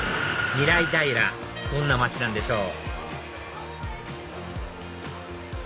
みらい平どんな街なんでしょう？